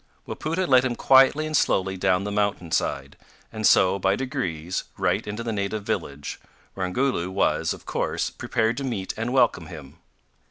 Wapoota led him quietly and slowly down the mountain side, and so, by degrees, right into the native village, where Ongoloo was, of course, prepared to meet and welcome him.